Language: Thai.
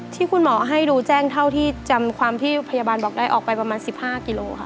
ที่คุณหมอให้ดูแจ้งเท่าที่จำความที่พยาบาลบอกได้ออกไปประมาณ๑๕กิโลค่ะ